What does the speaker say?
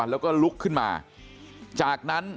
แล้วก็ลุกขึ้นมาจากนั้น